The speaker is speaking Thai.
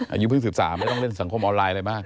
อายุเพิ่ง๑๓ไม่ต้องเล่นสังคมออนไลน์อะไรมาก